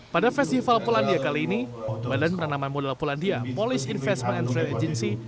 pada festival polandia kali ini badan pernama model polandia polish investment and trade agency